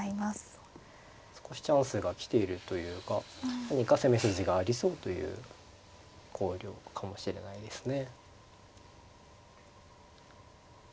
少しチャンスが来ているというか何か攻め筋がありそうという考慮かもしれないですね。